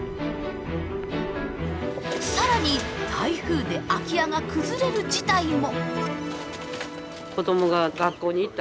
更に台風で空き家が崩れる事態も。